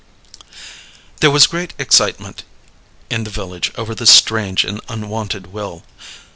There was great excitement in the village over this strange and unwonted will.